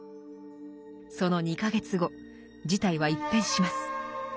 その２か月後事態は一変します。